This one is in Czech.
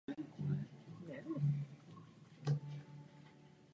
V severovýchodní stěně je ve výklenku umístěna kamenná socha Madony s Ježíškem.